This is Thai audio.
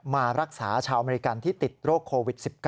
มารักษาชาวอเมริกันที่ติดโรคโควิด๑๙